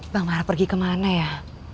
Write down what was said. bang mara pergi kemana ya